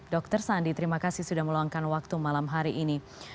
dr sandi terima kasih sudah meluangkan waktu malam hari ini